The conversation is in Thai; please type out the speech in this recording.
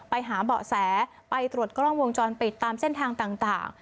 ไปหาเบาะแสไปตรวจกล้องวงจรปิดตามเส้นทางต่าง